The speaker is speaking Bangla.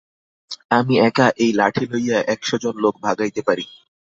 আমি একা এই লাঠি লইয়া একশ জন লােক ভাগাইতে পারি!